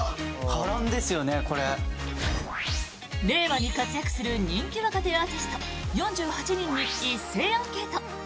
令和に活躍する人気若手アーティスト４８人に一斉アンケート！